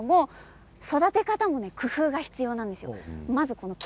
育て方も工夫が必要です。